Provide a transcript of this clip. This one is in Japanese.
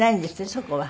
そこは。